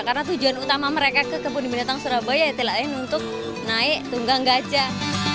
karena tujuan utama mereka ke kebun binatang surabaya ya telah lain untuk naik tunggang gajah